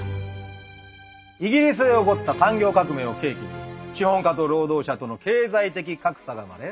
イギリスで起こった産業革命を契機に資本家と労働者との経済的格差が生まれ